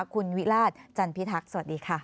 คุณวิราชจันพิทักษ์สวัสดีค่ะ